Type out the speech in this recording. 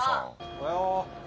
おはよう。